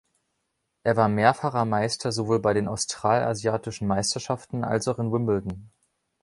Er war mehrfacher Meister sowohl bei den Australasiatischen Meisterschaften als auch in Wimbledon.